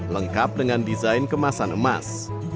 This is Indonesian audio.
lengkap dengan desain kemasan emas